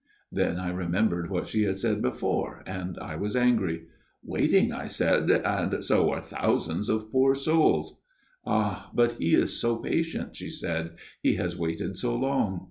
" Then I remembered what she had said before, and I was angry. "* Waiting !' I said ;* and so are thousands of poor souls.' "* Ah, but he is so patient,' she said ;' he has waited so long.'